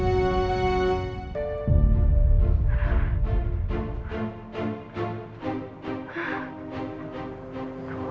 ya udah mbak